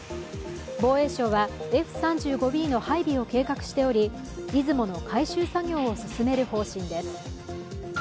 防衛省はＦ３５Ｂの配備を計画しており「いずも」の改修作業を進める方針です。